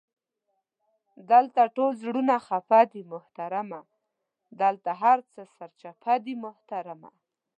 دالته ټول زړونه خفه دې محترمه، دالته هر څه سرچپه دي محترمه!